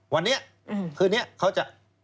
วันนี้คืนนี้เขาจะ